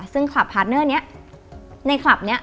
ซึ่งคลับพาร์ทเนอร์นี้ในคลับนี้